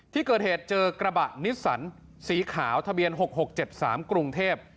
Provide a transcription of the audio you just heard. ที่เกิดเหตุเจอกระบะนิสสันสีขาวทะเบียน๖๖๗๓กรุงเทพ